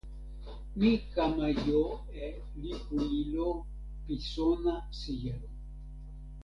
mi kama jo e lipu ilo pi sona sijelo.